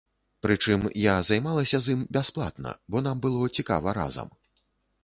Прычым, я займалася з ім бясплатна, бо нам было цікава разам.